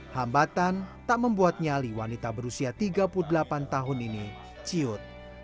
hambatan tak membuat nyali wanita berusia tiga puluh delapan tahun ini ciut